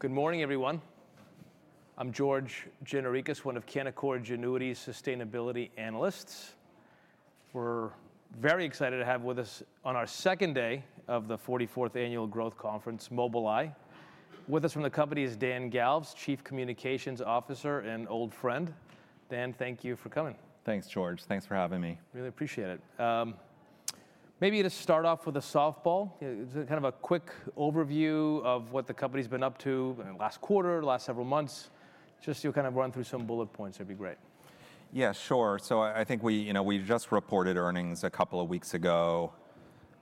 Good morning, everyone. I'm George Gianarikas, one of Canaccord Genuity's sustainability analysts. We're very excited to have with us on our 2nd day of the 44th Annual Growth Conference, Mobileye. With us from the company is Dan Galves, Chief Communications Officer and old friend. Dan, thank you for coming. Thanks, George. Thanks for having me. Really appreciate it. Maybe to start off with a softball, kind of a quick overview of what the company's been up to in the last quarter, last several months, just so you kind of run through some bullet points, that'd be great. Yeah, sure. So I think we, you know, we've just reported earnings a couple of weeks ago.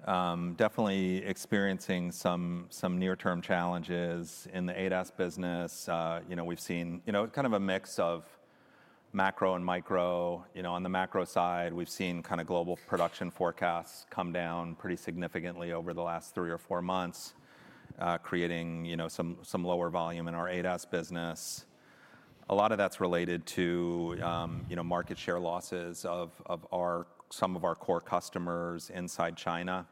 Definitely experiencing some near-term challenges in the ADAS business. You know, we've seen, you know, kind of a mix of macro and micro. You know, on the macro side, we've seen kind of global production forecasts come down pretty significantly over the last three or four months, creating, you know, some lower volume in our ADAS business. A lot of that's related to, you know, market share losses of some of our core customers inside China.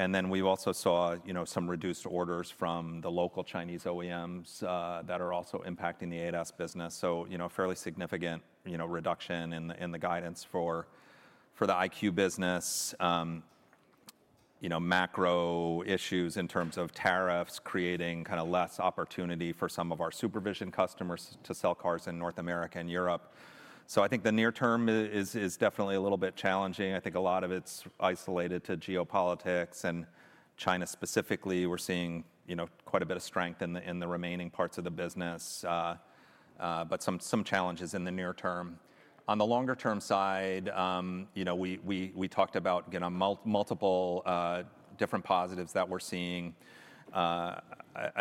And then we also saw, you know, some reduced orders from the local Chinese OEMs, that are also impacting the ADAS business, so, you know, fairly significant, you know, reduction in the guidance for the EyeQ business. You know, macro issues in terms of tariffs, creating kind of less opportunity for some of our supervision customers to sell cars in North America and Europe. So I think the near term is definitely a little bit challenging. I think a lot of it's isolated to geopolitics and China specifically. We're seeing, you know, quite a bit of strength in the remaining parts of the business, but some challenges in the near term. On the longer term side, you know, we talked about multiple different positives that we're seeing. I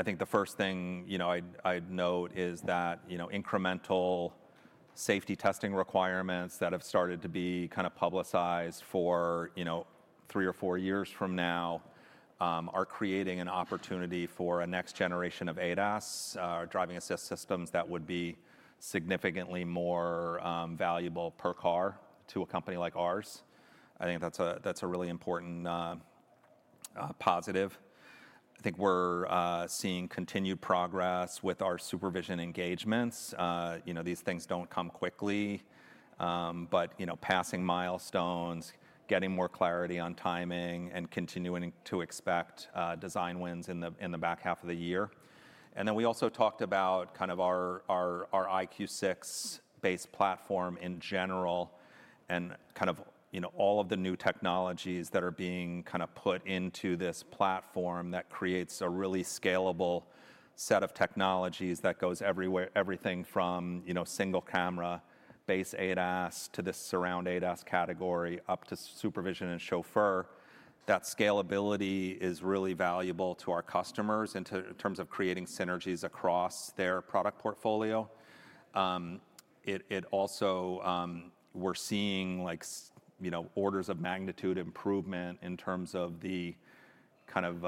think the first thing, you know, I'd note is that, you know, incremental safety testing requirements that have started to be kind of publicized for, you know, three or four years from now, are creating an opportunity for a next generation of ADAS, driving assist systems that would be significantly more, valuable per car to a company like ours. I think that's a really important positive. I think we're seeing continued progress with our supervision engagements. You know, these things don't come quickly, but, you know, passing milestones, getting more clarity on timing, and continuing to expect design wins in the back half of the year. And then we also talked about kind of our EyeQ6-based platform in general, and kind of, you know, all of the new technologies that are being kind of put into this platform that creates a really scalable set of technologies that goes everywhere, everything from, you know, single camera, base ADAS, to the Surround ADAS category, up to Supervision and Chauffeur. That scalability is really valuable to our customers, and in terms of creating synergies across their product portfolio. It also... We're seeing, like you know, orders of magnitude improvement in terms of the, kind of,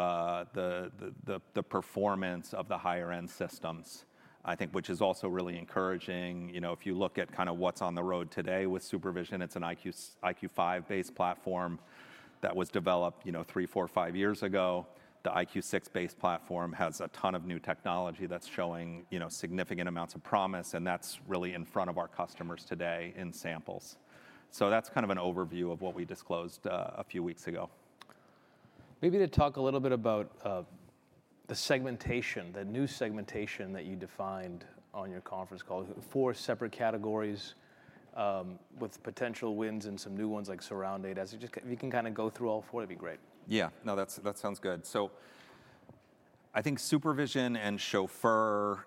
the performance of the higher end systems, I think, which is also really encouraging. You know, if you look at kind of what's on the road today with Supervision, it's an EyeQ5-based platform that was developed, you know, 3, 4, 5 years ago. The EyeQ6-based platform has a ton of new technology that's showing, you know, significant amounts of promise, and that's really in front of our customers today in samples. So that's kind of an overview of what we disclosed a few weeks ago. Maybe to talk a little bit about the segmentation, the new segmentation that you defined on your conference call. Four separate categories, with potential wins and some new ones like Surround ADAS. If you can kind of go through all four, that'd be great. Yeah. No, that's, that sounds good. So I think SuperVision and Chauffeur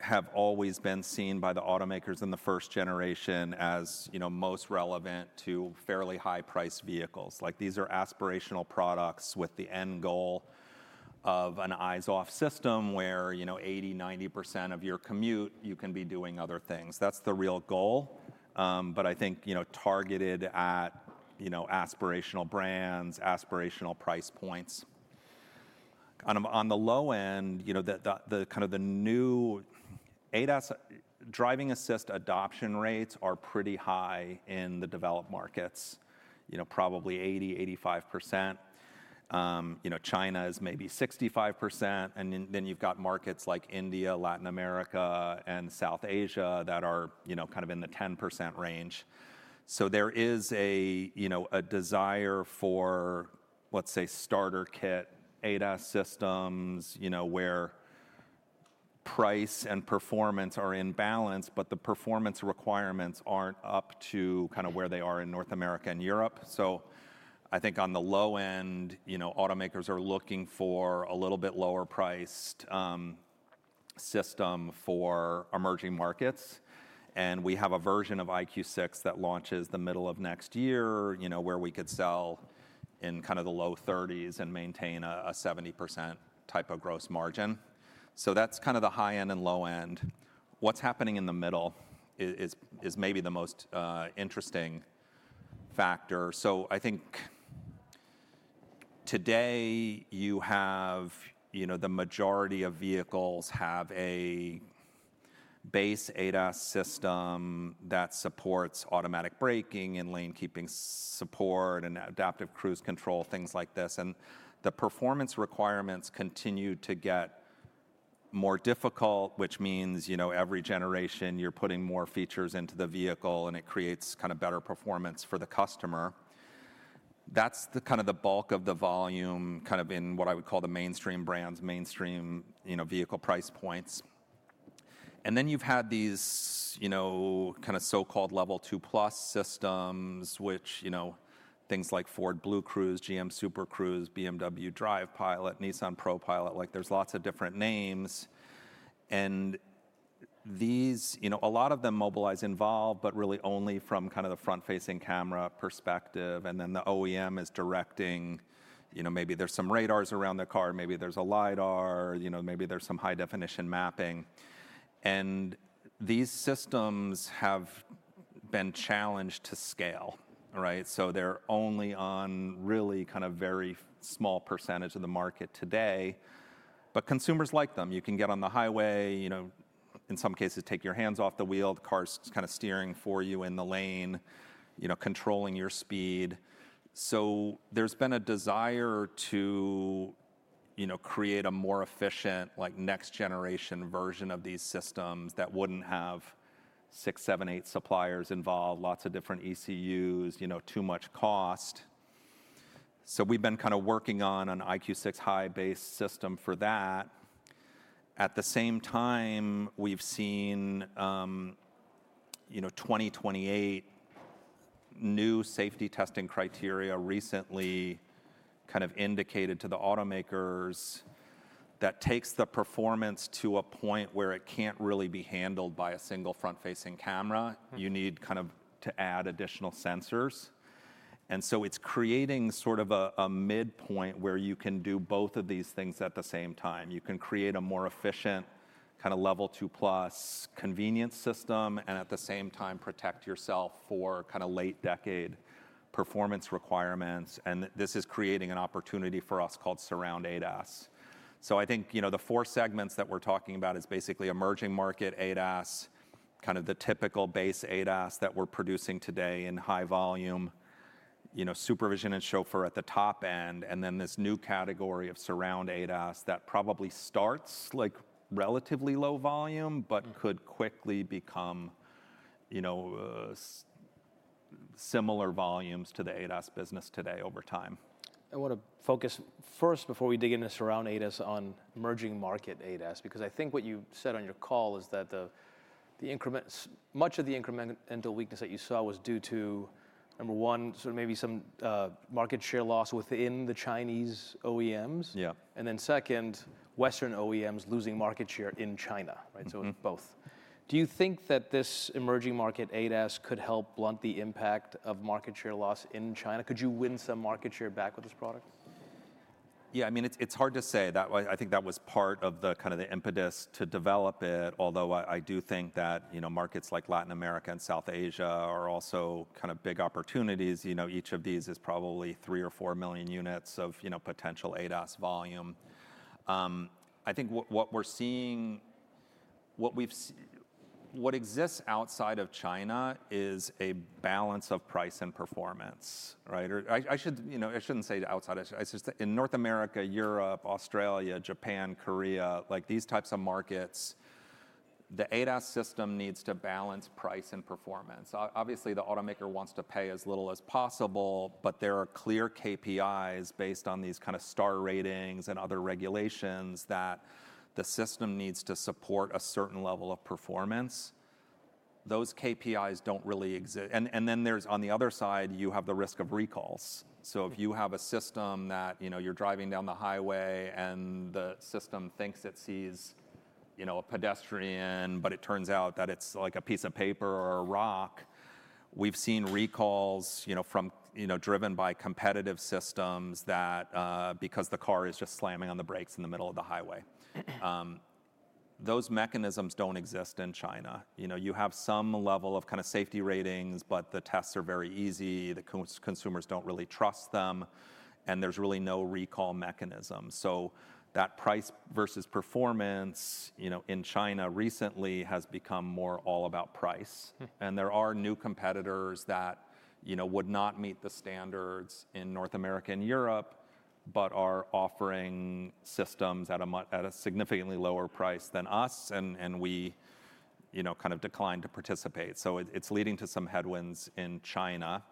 have always been seen by the automakers in the first generation as, you know, most relevant to fairly high-priced vehicles. Like, these are aspirational products with the end goal of an eyes-off system, where, you know, 80%-90% of your commute, you can be doing other things. That's the real goal. But I think, you know, targeted at, you know, aspirational brands, aspirational price points. On a, on the low end, you know, the kind of the new ADAS driving assist adoption rates are pretty high in the developed markets, you know, probably 80, 85%. You know, China is maybe 65%, and then, then you've got markets like India, Latin America, and South Asia that are, you know, kind of in the 10% range. So there is a, you know, a desire for, let's say, starter kit ADAS systems, you know, where price and performance are in balance, but the performance requirements aren't up to kind of where they are in North America and Europe. So I think on the low end, you know, automakers are looking for a little bit lower priced system for emerging markets, and we have a version of EyeQ6 that launches the middle of next year, you know, where we could sell in kind of the low $30s and maintain a 70% type of gross margin. So that's kind of the high end and low end. What's happening in the middle is maybe the most interesting factor. So I think today you have, you know, the majority of vehicles have a-... base ADAS system that supports automatic braking, and lane keeping support, and adaptive cruise control, things like this. And the performance requirements continue to get more difficult, which means, you know, every generation you're putting more features into the vehicle, and it creates kind of better performance for the customer. That's the kind of the bulk of the volume, kind of in what I would call the mainstream brands, mainstream, you know, vehicle price points. And then you've had these, you know, kind of so-called Level 2+ systems, which, you know, things like Ford BlueCruise, GM Super Cruise, BMW Drive Pilot, Nissan ProPILOT, like, there's lots of different names. And these, you know, a lot of them mobilize, involve, but really only from kind of the front-facing camera perspective, and then the OEM is directing. You know, maybe there's some radars around the car, maybe there's a lidar, you know, maybe there's some high-definition mapping. These systems have been challenged to scale, right? So they're only on really kind of very small percentage of the market today, but consumers like them. You can get on the highway, you know, in some cases, take your hands off the wheel, the car's kind of steering for you in the lane, you know, controlling your speed. So there's been a desire to, you know, create a more efficient, like, next-generation version of these systems that wouldn't have 6, 7, 8 suppliers involved, lots of different ECUs, you know, too much cost. So we've been kind of working on an EyeQ6 High-based system for that. At the same time, we've seen, you know, 2028 new safety testing criteria recently kind of indicated to the automakers that takes the performance to a point where it can't really be handled by a single front-facing camera. Mm-hmm. You need kind of to add additional sensors, and so it's creating sort of a midpoint where you can do both of these things at the same time. You can create a more efficient, kind of Level 2+ convenience system, and at the same time, protect yourself for kind of late decade performance requirements, and this is creating an opportunity for us called Surround ADAS. So I think, you know, the four segments that we're talking about is basically emerging market ADAS, kind of the typical base ADAS that we're producing today in high volume, you know, SuperVision and Chauffeur at the top end, and then this new category of Surround ADAS that probably starts, like, relatively low volume- Mm... but could quickly become, you know, similar volumes to the ADAS business today over time. I want to focus first, before we dig into Surround ADAS, on emerging market ADAS, because I think what you said on your call is that much of the incremental weakness that you saw was due to, number one, sort of maybe some market share loss within the Chinese OEMs? Yeah. Then, second, Western OEMs losing market share in China, right? Mm-hmm. So it was both. Do you think that this emerging market ADAS could help blunt the impact of market share loss in China? Could you win some market share back with this product? Yeah, I mean, it's hard to say. I think that was part of the kind of the impetus to develop it, although I do think that, you know, markets like Latin America and South Asia are also kind of big opportunities. You know, each of these is probably 3 or 4 million units of, you know, potential ADAS volume. I think what we're seeing, what exists outside of China is a balance of price and performance, right? Or I should, you know, I shouldn't say outside Asia, I should say in North America, Europe, Australia, Japan, Korea, like, these types of markets, the ADAS system needs to balance price and performance. Obviously, the automaker wants to pay as little as possible, but there are clear KPIs based on these kind of star ratings and other regulations that the system needs to support a certain level of performance. Those KPIs don't really exist, and then there's, on the other side, you have the risk of recalls. So if you have a system that, you know, you're driving down the highway, and the system thinks it sees, you know, a pedestrian, but it turns out that it's, like, a piece of paper or a rock, we've seen recalls, you know, from, you know, driven by competitive systems that, because the car is just slamming on the brakes in the middle of the highway. Those mechanisms don't exist in China. You know, you have some level of kind of safety ratings, but the tests are very easy. The consumers don't really trust them, and there's really no recall mechanism. So that price versus performance, you know, in China recently has become more all about price. Mm. And there are new competitors that, you know, would not meet the standards in North America and Europe, but are offering systems at a significantly lower price than us, and we, you know, kind of decline to participate. So it, it's leading to some headwinds in China.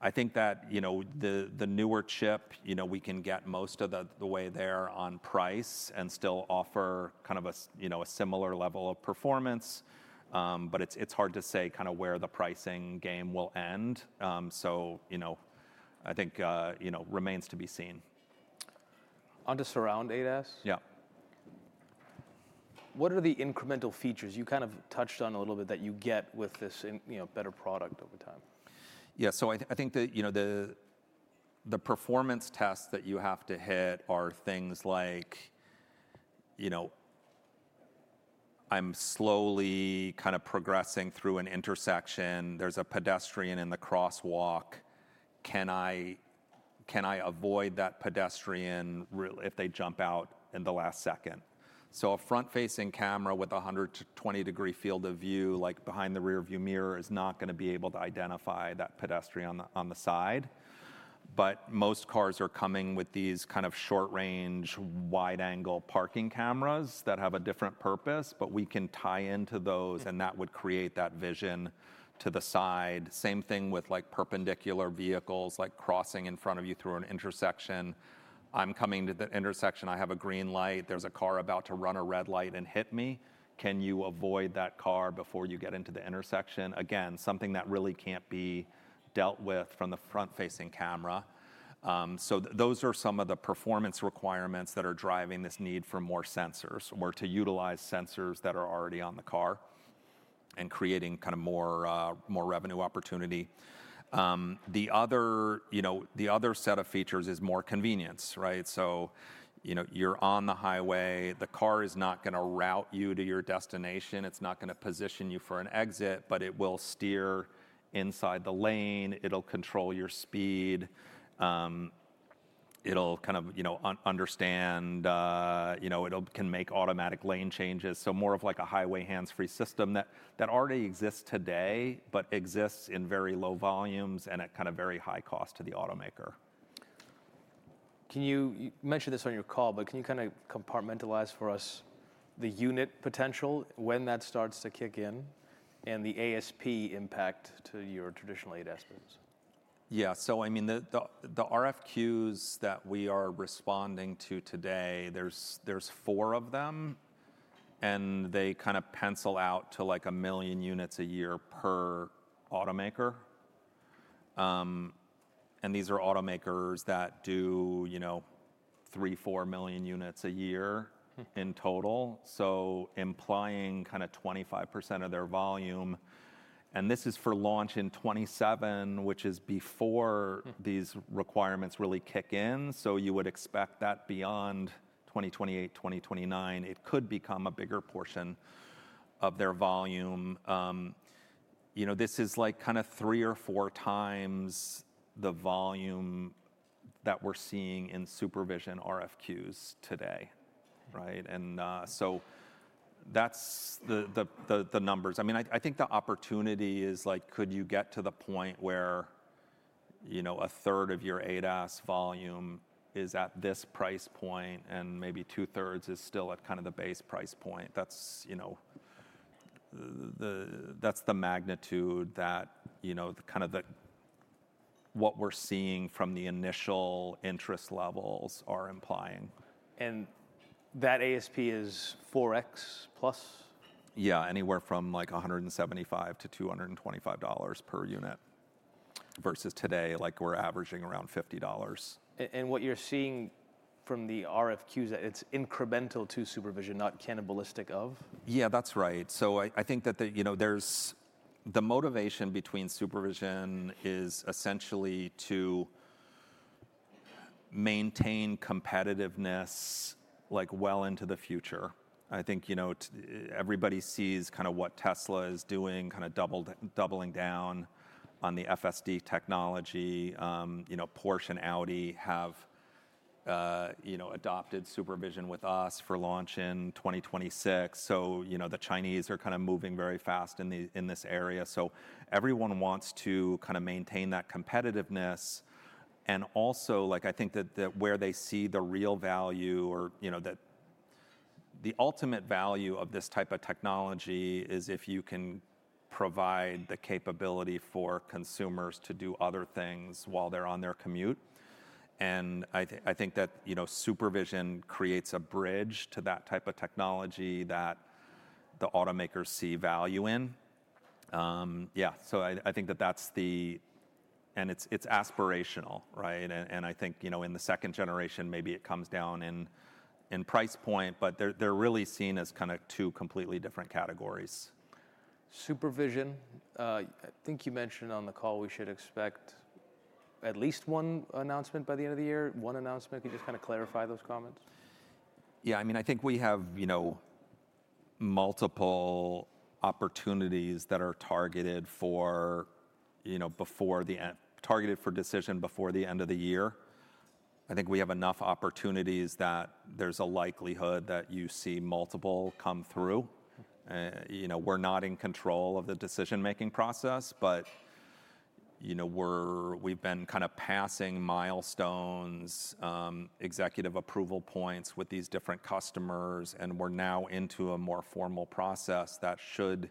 I think that, you know, the, the newer chip, you know, we can get most of the, the way there on price and still offer kind of a you know, a similar level of performance. But it's, it's hard to say kind of where the pricing game will end. So, you know, I think, you know, remains to be seen. On to Surround ADAS? Yeah. What are the incremental features, you kind of touched on a little bit, that you get with this, you know, better product over time? Yeah. So I think the, you know, the performance tests that you have to hit are things like, you know, I'm slowly kind of progressing through an intersection, there's a pedestrian in the crosswalk.... Can I, can I avoid that pedestrian if they jump out in the last second? So a front-facing camera with a 100- to 120-degree field of view, like behind the rear view mirror, is not gonna be able to identify that pedestrian on the, on the side. But most cars are coming with these kind of short-range, wide-angle parking cameras that have a different purpose, but we can tie into those, and that would create that vision to the side. Same thing with, like, perpendicular vehicles, like crossing in front of you through an intersection. I'm coming to the intersection, I have a green light, there's a car about to run a red light and hit me. Can you avoid that car before you get into the intersection? Again, something that really can't be dealt with from the front-facing camera. So those are some of the performance requirements that are driving this need for more sensors, or to utilize sensors that are already on the car, and creating kind of more, more revenue opportunity. The other, you know, the other set of features is more convenience, right? So, you know, you're on the highway, the car is not gonna route you to your destination, it's not gonna position you for an exit, but it will steer inside the lane, it'll control your speed, it'll kind of, you know, understand, you know, it can make automatic lane changes, so more of like a highway hands-free system that, that already exists today, but exists in very low volumes and at kind of very high cost to the automaker. You mentioned this on your call, but can you kind of compartmentalize for us the unit potential, when that starts to kick in, and the ASP impact to your traditional ADAS business? Yeah. So I mean, the RFQs that we are responding to today, there's 4 of them, and they kind of pencil out to, like, 1 million units a year per automaker. And these are automakers that do, you know, 3, 4 million units a year- Mm... in total, so implying kind of 25% of their volume. And this is for launch in 2027, which is before- Mm... these requirements really kick in, so you would expect that beyond 2028, 2029, it could become a bigger portion of their volume. You know, this is, like, kind of 3 or 4 times the volume that we're seeing in supervision RFQs today, right? And, so that's the numbers. I mean, I think the opportunity is, like, could you get to the point where, you know, a third of your ADAS volume is at this price point, and maybe two-thirds is still at kind of the base price point? That's, you know, the, that's the magnitude that, you know, the kind of the, what we're seeing from the initial interest levels are implying. That ASP is 4x plus? Yeah, anywhere from, like, $175-$225 per unit, versus today, like, we're averaging around $50. What you're seeing from the RFQs, it's incremental to supervision, not cannibalistic of? Yeah, that's right. So I think that the, you know, there's... The motivation behind SuperVision is essentially to maintain competitiveness, like, well into the future. I think, you know, everybody sees kind of what Tesla is doing, kind of doubling down on the FSD technology. You know, Porsche and Audi have, you know, adopted SuperVision with us for launch in 2026. So, you know, the Chinese are kind of moving very fast in the, in this area. So everyone wants to kind of maintain that competitiveness, and also, like, I think that, that where they see the real value or, you know, the, the ultimate value of this type of technology is if you can provide the capability for consumers to do other things while they're on their commute. And I think that, you know, supervision creates a bridge to that type of technology that the automakers see value in. Yeah, so I think that that's the... And it's aspirational, right? And I think, you know, in the second generation, maybe it comes down in price point, but they're really seen as kind of two completely different categories. SuperVision, I think you mentioned on the call we should expect at least one announcement by the end of the year. One announcement, can you just kind of clarify those comments? Yeah, I mean, I think we have, you know, multiple opportunities that are targeted for, you know, before the end—targeted for decision before the end of the year. I think we have enough opportunities that there's a likelihood that you see multiple come through. You know, we're not in control of the decision-making process, but, you know, we're—we've been kind of passing milestones, executive approval points with these different customers, and we're now into a more formal process that should,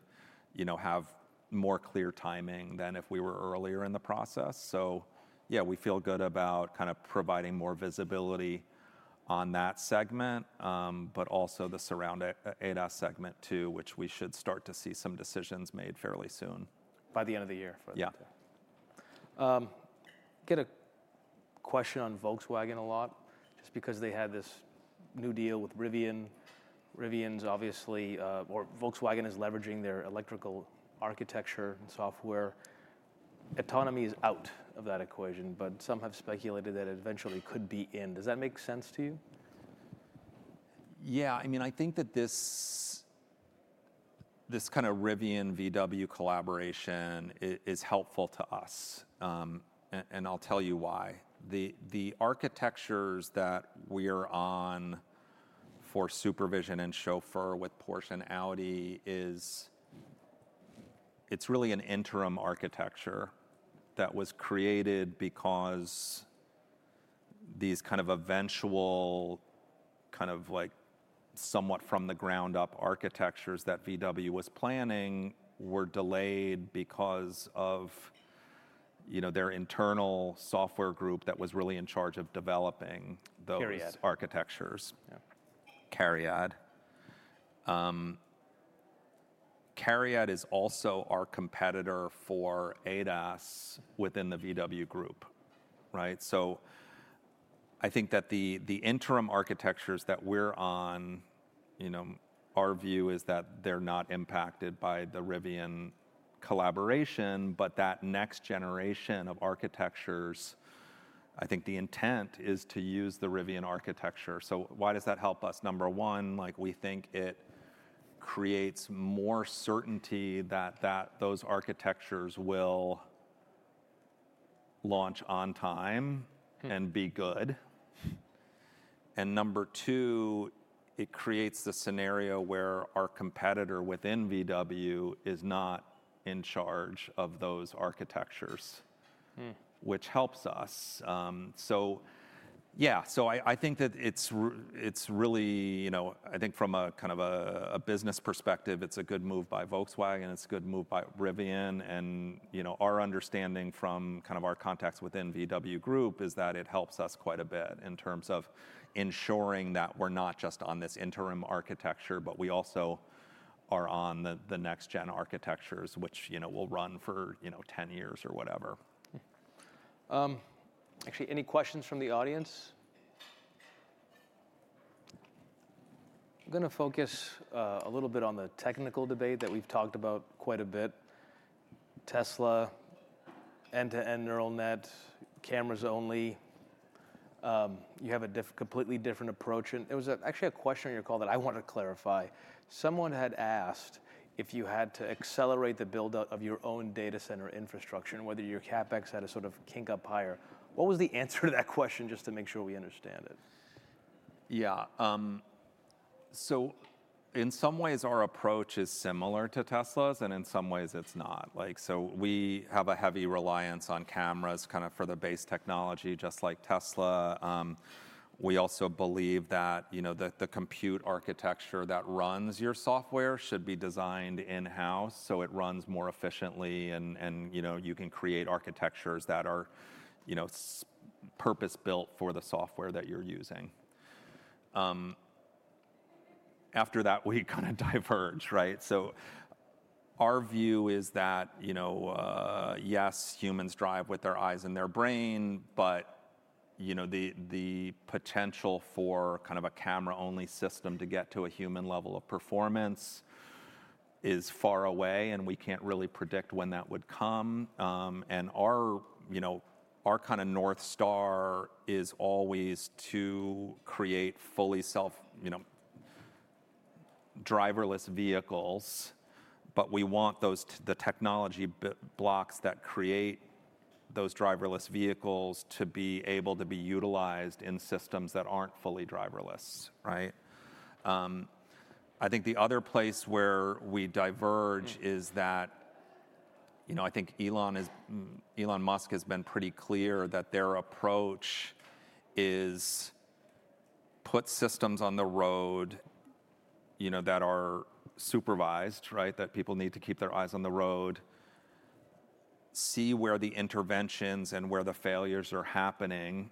you know, have more clear timing than if we were earlier in the process. So yeah, we feel good about kind of providing more visibility on that segment, but also the surround ADAS segment, too, which we should start to see some decisions made fairly soon. By the end of the year, for that- Yeah. Get a question on Volkswagen a lot, just because they had this new deal with Rivian. Rivian's obviously, or Volkswagen is leveraging their electrical architecture and software. Autonomy is out of that equation, but some have speculated that it eventually could be in. Does that make sense to you? Yeah, I mean, I think that this kind of Rivian-VW collaboration is helpful to us, and I'll tell you why. The architectures that we're on for SuperVision and Chauffeur with Porsche and Audi is, it's really an interim architecture that was created because these kind of eventual, kind of like, somewhat from the ground up architectures that VW was planning were delayed because of, you know, their internal software group that was really in charge of developing those- Cariad - architectures. Yeah. CARIAD. CARIAD is also our competitor for ADAS within the VW Group, right? So I think that the interim architectures that we're on, you know, our view is that they're not impacted by the Rivian collaboration, but that next generation of architectures, I think the intent is to use the Rivian architecture. So why does that help us? Number one, like, we think it creates more certainty that those architectures will launch on time- Mm... and be good. Number two, it creates the scenario where our competitor within VW is not in charge of those architectures- Mm... which helps us. So yeah, I think that it's really, you know, I think from a kind of a business perspective, it's a good move by Volkswagen, it's a good move by Rivian. And, you know, our understanding from kind of our contacts within VW Group, is that it helps us quite a bit in terms of ensuring that we're not just on this interim architecture, but we also are on the next gen architectures, which, you know, will run for, you know, 10 years or whatever. Actually, any questions from the audience? I'm gonna focus a little bit on the technical debate that we've talked about quite a bit. Tesla, end-to-end neural net, cameras only. You have a completely different approach, and there was actually a question on your call that I want to clarify. Someone had asked if you had to accelerate the build-up of your own data center infrastructure, and whether your CapEx had to sort of kink up higher. What was the answer to that question, just to make sure we understand it? Yeah. So in some ways, our approach is similar to Tesla's, and in some ways it's not. Like, so we have a heavy reliance on cameras, kind of for the base technology, just like Tesla. We also believe that, you know, the compute architecture that runs your software should be designed in-house, so it runs more efficiently and, you know, you can create architectures that are, you know, purpose-built for the software that you're using. After that, we kinda diverge, right? So our view is that, you know, yes, humans drive with their eyes and their brain, but, you know, the potential for kind of a camera-only system to get to a human level of performance is far away, and we can't really predict when that would come. And our, you know, our kind of North Star is always to create fully self... you know, driverless vehicles, but we want those the technology blocks that create those driverless vehicles to be able to be utilized in systems that aren't fully driverless, right? I think the other place where we diverge- Mm... is that, you know, I think Elon is, Elon Musk has been pretty clear that their approach is: put systems on the road, you know, that are supervised, right? That people need to keep their eyes on the road, see where the interventions and where the failures are happening,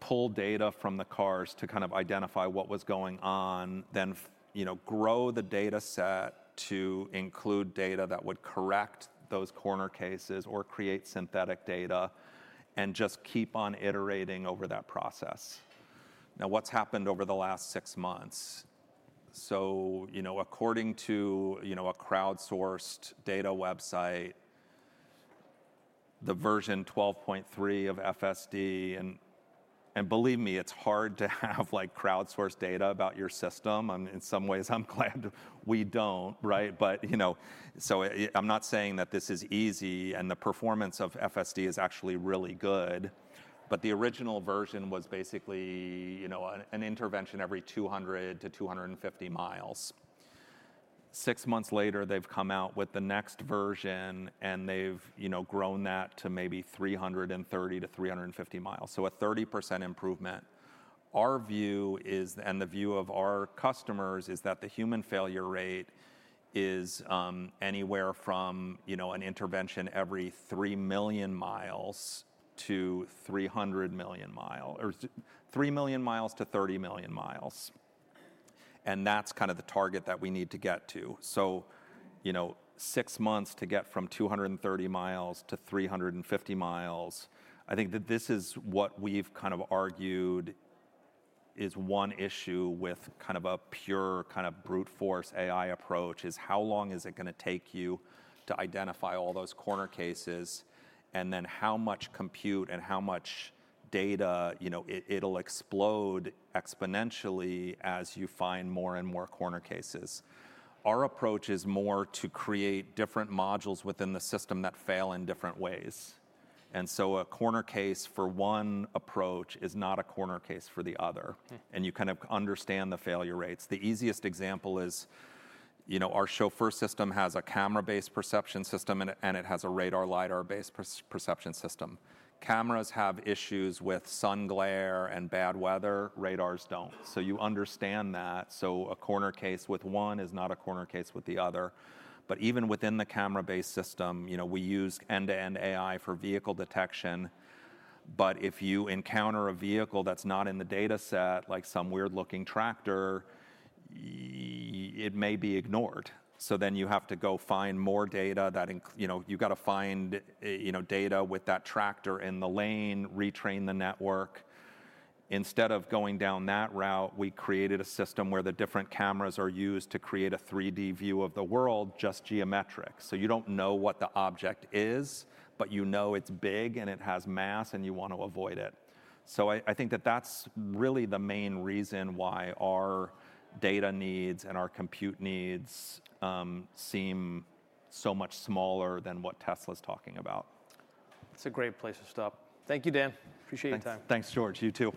pull data from the cars to kind of identify what was going on. Then you know, grow the data set to include data that would correct those corner cases or create synthetic data, and just keep on iterating over that process. Now, what's happened over the last six months? So, you know, according to, you know, a crowdsourced data website, the version 12.3 of FSD, and, and believe me, it's hard to have, like, crowdsourced data about your system. In some ways, I'm glad we don't, right? But, you know, so I'm not saying that this is easy, and the performance of FSD is actually really good, but the original version was basically, you know, an intervention every 200-250 miles. Six months later, they've come out with the next version and they've, you know, grown that to maybe 330-350 miles. So a 30% improvement. Our view is, and the view of our customers, is that the human failure rate is anywhere from, you know, an intervention every 3 million miles to 300 million miles or 3 million miles to 30 million miles, and that's kind of the target that we need to get to. So, you know, 6 months to get from 230 miles to 350 miles, I think that this is what we've kind of argued is one issue with kind of a pure, kind of brute force AI approach, is how long is it gonna take you to identify all those corner cases? And then how much compute and how much data? You know, it, it'll explode exponentially as you find more and more corner cases. Our approach is more to create different modules within the system that fail in different ways, and so a corner case for one approach is not a corner case for the other- Mm... and you kind of understand the failure rates. The easiest example is, you know, our Chauffeur system has a camera-based perception system, and it, and it has a radar, LiDAR-based perception system. Cameras have issues with sun glare and bad weather, radars don't. So you understand that, so a corner case with one is not a corner case with the other. But even within the camera-based system, you know, we use end-to-end AI for vehicle detection, but if you encounter a vehicle that's not in the data set, like some weird-looking tractor, it may be ignored. So then you have to go find more data that you know, you've got to find, you know, data with that tractor in the lane, retrain the network. Instead of going down that route, we created a system where the different cameras are used to create a 3D view of the world, just geometric. So you don't know what the object is, but you know it's big and it has mass, and you want to avoid it. So I, I think that that's really the main reason why our data needs and our compute needs seem so much smaller than what Tesla's talking about. It's a great place to stop. Thank you, Dan. Appreciate your time. Thanks, George. You, too.